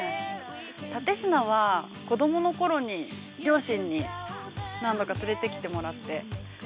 蓼科は、子供の頃に両親に何度か連れてきてもらって。